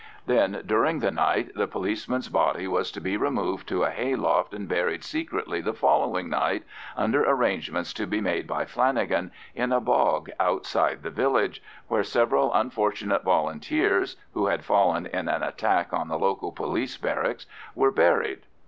Then, during the night, the policeman's body was to be removed to a hay loft and buried secretly the following night, under arrangements to be made by Flanagan, in a bog outside the village, where several unfortunate Volunteers, who had fallen in an attack on the local police barracks, were buried.